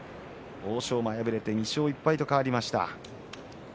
欧勝馬に敗れて２勝１敗と変わりました。